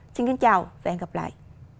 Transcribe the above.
xin kính chào và hẹn gặp lại